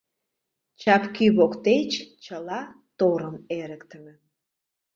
Чапкӱ воктеч чыла торым эрыктыме.